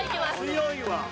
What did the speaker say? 強いわ。